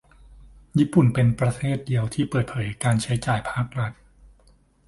ญี่ปุ่นเป็นประเทศเดียวที่เปิดเผยการใช้จ่ายภาครัฐ